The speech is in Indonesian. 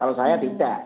kalau saya tidak